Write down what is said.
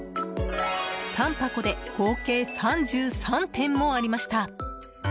３箱で合計３３点もありました。